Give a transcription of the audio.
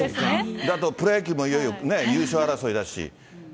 あとプロ野球もいよいよ優勝争いだし。